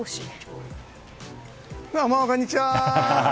どうも、こんにちは！